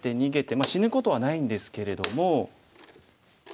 まあ死ぬことはないんですけれども。